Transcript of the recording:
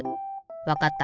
わかった。